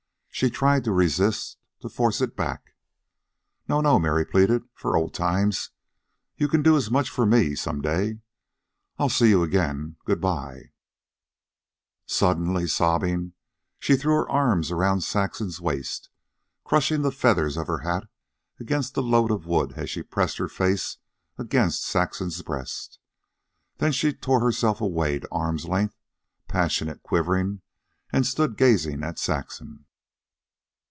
She tried to resist, to force it back. "No, no," Mary pleaded. "For old times. You can do as much for me some day. I'll see you again. Good bye." Suddenly, sobbing, she threw her arms around Saxon's waist, crushing the feathers of her hat against the load of wood as she pressed her face against Saxon's breast. Then she tore herself away to arm's length, passionate, quivering, and stood gazing at Saxon.